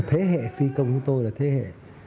thế hệ phi công chúng tôi là thế hệ